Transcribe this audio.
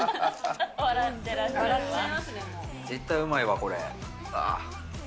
絶対うまいわ、これ。